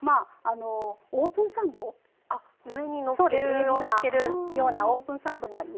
上にのっけるようなオープンサンドもあります。